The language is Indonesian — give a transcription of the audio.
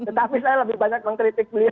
tetapi saya lebih banyak mengkritik beliau